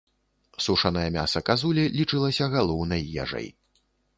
Сушанае мяса казулі лічылася галоўнай ежай.